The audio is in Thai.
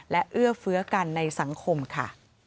และเอื้อเฟื้อกันในสังคมค่ะ